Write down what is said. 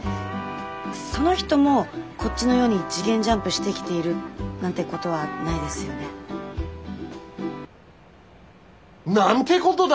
その人もこっちの世に次元ジャンプしてきているなんてことはないですよね？なんてことだ！